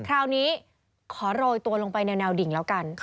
คราวนี้ขอโรยตัวลงไปในแนวดิ่งแล้วกัน